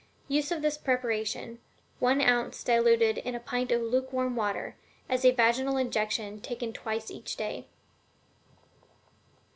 Use of this preparation ONE OUNCE, DILUTED IN A PINT OF LUKEWARM WATER, as a vaginal injection, taken twice each day.